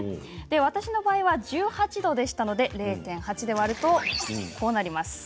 私の場合は１８度でしたので０．８で割りますとこうなりました。